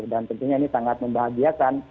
tentunya ini sangat membahagiakan